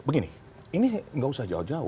begini ini nggak usah jauh jauh